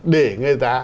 để người ta